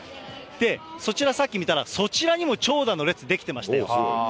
そちら、さっき見たら、そちらにも長蛇の列出来てましたよ。